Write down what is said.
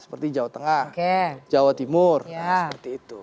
seperti jawa tengah jawa timur seperti itu